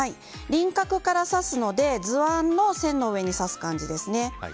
輪郭から刺すので図案の上に刺す感じですね。